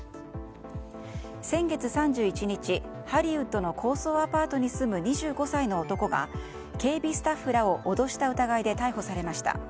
先月３１日ハリウッドの高層アパートに住む２５歳の男が警備スタッフらを脅した疑いで逮捕されました。